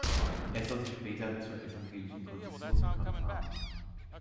Er soll sich später zur evangelischen Konfession bekannt haben.